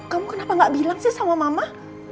kamu kenapa gak bilang sih sama mama